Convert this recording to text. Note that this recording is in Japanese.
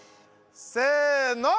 せの！